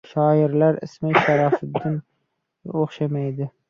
Shoirlar ismi sharifiga o‘xshamaydi!